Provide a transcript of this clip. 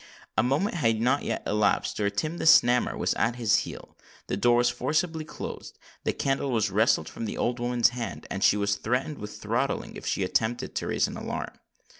A moment had not elapsed ere Tim the Snammer was at his heels—the door was forcibly closed—the candle was wrested from the old woman's hand—and she was threatened with throttling if she attempted to raise an alarm.